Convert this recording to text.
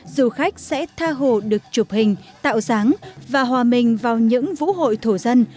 du khách sẽ tha hồ được chụp hình tạo dáng và hòa mình vào những vũ hội thổ dân